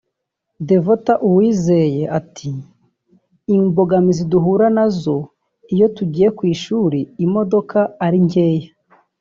Devota Uwizeye ati”Imbogamizi duhura nazo iyo tugiye ku ishuri imodoka ari nkeya